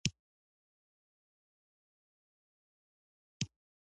هغه هم خاص په دې خاطر چې وېره او ډار زده کړم.